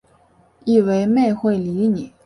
以为妹会理你